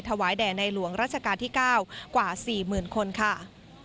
แด่ในหลวงราชการที่๙กว่า๔๐๐๐คนค่ะ